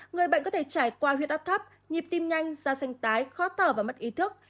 người bệnh có thể trải qua huyết áp thấp nhịp tim nhanh da xanh tái khó thở và mất ý thức